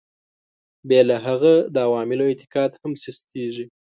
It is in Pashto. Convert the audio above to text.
بې له هغه د عوامو اعتقاد هم سستېږي.